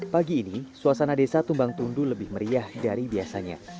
pagi ini suasana desa tumbang tundu lebih meriah dari biasanya